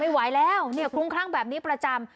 ไม่ไหวแล้วเนี่ยคลุ้มคลั่งแบบนี้ประจำ